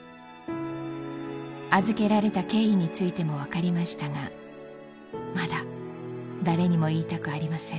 預けられた経緯についてもわかりましたがまだ誰にも言いたくありません。